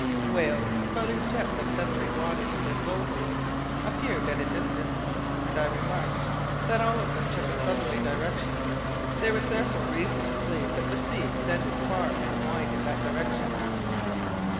Whales, spouting jets of feathery water from their blow holes, appeared at a distance, and I remarked that all of them took a southerly direction. There was therefore reason to believe that the sea extended far and wide in that direction.